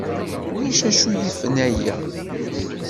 Ulac acu yifen aya.